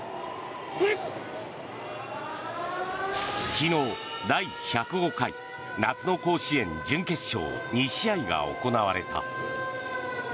昨日、第１０５回夏の甲子園準決勝２試合が行われた。